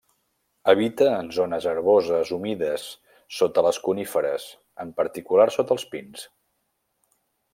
Habita en zones herboses humides sota les coníferes, en particular sota els pins.